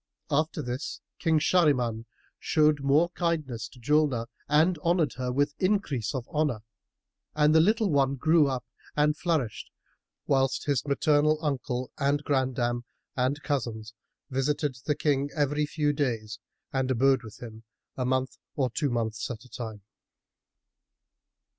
After this King Shahriman showed the more kindness to Julnar and honoured her with increase of honour; and the little one grew up and flourished, whilst his maternal uncle and grandam and cousins visited the King every few days and abode with him a month or two months at a time.